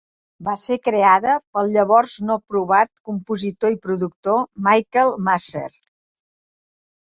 Va ser creada pel llavors no provat compositor i productor Michael Masser.